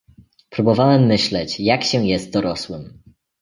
"Probowałem myśleć, jak się jest dorosłym."